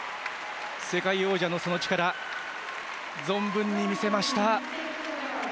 世界王者のその力、存分に見せました。